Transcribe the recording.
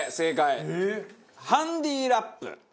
ハンディラップ。